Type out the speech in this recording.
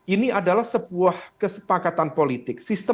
ini adalah sebuah kesepakatan politik